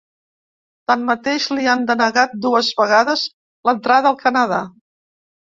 Tanmateix li han denegat dues vegades l’entrada al Canadà.